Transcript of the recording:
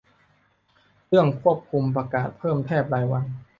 เรื่องควบคุมประกาศเพิ่มแทบรายวัน